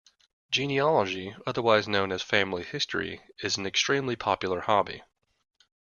Genealogy, otherwise known as family history, is an extremely popular hobby